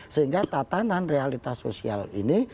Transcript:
sehingga tatanan realitas sosial ini